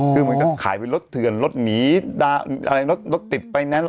อ๋อคือมันก็ขายเป็นรถเถินรถหนีรถติดไปนั้น